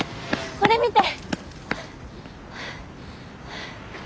これ見て！